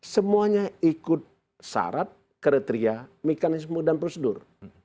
semuanya ikut syarat kriteria mekanisme dan prosedur